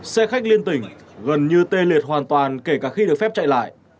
xe khách liên tỉnh gần như tê liệt hoàn toàn kể cả khi được phép chạy lại